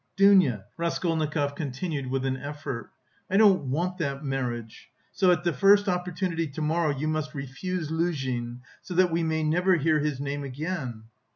"Dounia," Raskolnikov continued with an effort, "I don't want that marriage, so at the first opportunity to morrow you must refuse Luzhin, so that we may never hear his name again."